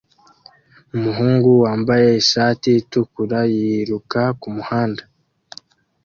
Umuhungu wambaye ishati itukura yiruka kumuhanda